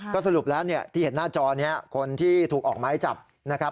ก็สรุปแล้วที่เห็นหน้าจอนี้คนที่ถูกออกไม้จับนะครับ